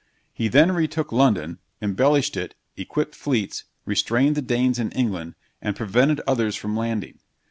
He then retook London, embellished it, equipped fleets, restrained the Danes in England, and prevented others from landing.